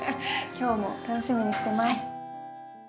今日も楽しみにしてます。